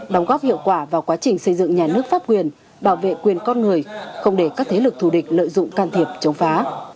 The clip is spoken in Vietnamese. đóng góp hiệu quả vào quá trình xây dựng nhà nước pháp quyền bảo vệ quyền con người không để các thế lực thù địch lợi dụng can thiệp chống phá